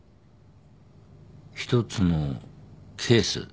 １つのケース？